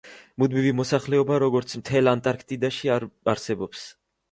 მუდმივი მოსახლეობა, როგორც მთელ ანტარქტიდაში, არ არსებობს.